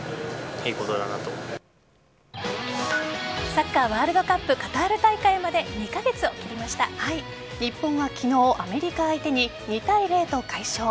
サッカーワールドカップカタール大会まで日本は昨日、アメリカ相手に２対０と快勝。